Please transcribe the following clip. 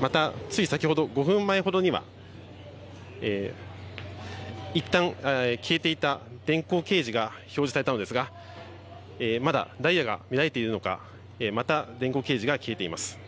またつい先ほど５分前ほどにはいったん消えていた電光掲示が表示されたのですがまだダイヤが乱れているのかまた電光掲示が消えています。